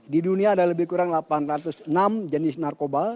di dunia ada lebih kurang delapan ratus enam jenis narkoba